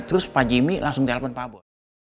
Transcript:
terus pak jimmy langsung telepon pak bos